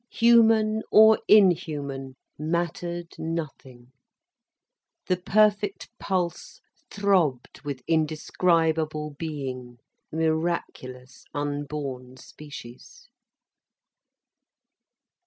Human or inhuman mattered nothing. The perfect pulse throbbed with indescribable being, miraculous unborn species.